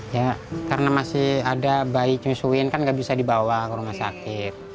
ya karena masih ada bayi cuin kan nggak bisa dibawa ke rumah sakit